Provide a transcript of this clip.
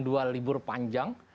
dua libur panjang